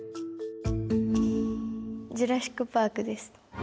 「ジュラシック・パーク」です。